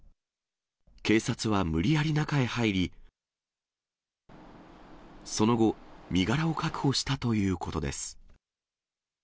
警察は無理やり中へ入り、その後、身柄を確保したということです。